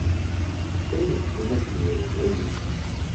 Riɣ-kem akken yebɣu yili.